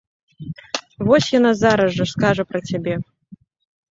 Вось яна зараз скажа пра цябе!